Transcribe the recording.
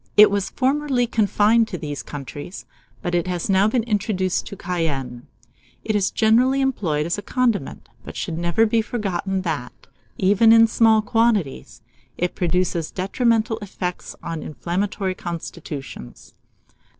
It was formerly confined to these countries, but it has now been introduced to Cayenne. It is generally employed as a condiment; but it should never be forgotten, that, even in small quantities, it produces detrimental effects on inflammatory constitutions.